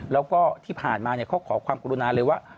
แล้วก็ที่ผ่านมาเขาขอความกรุณาเลยว่า